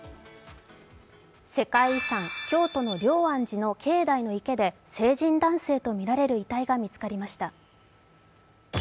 世界遺産・京都の龍安寺の境内の池で成人男性とみられる遺体が見つかりました。